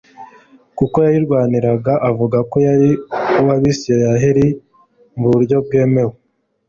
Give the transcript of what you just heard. kuko yayirwaniraga avuga ko ari uwAbisirayeli mu buryo bwemewe